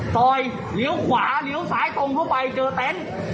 ซอยเลี้ยวขวาเลี้ยวซ้ายตรงเข้าไปเจอเต็นต์